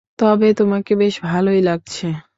তবে তোমাকে বেশ ভালোই লাগছে।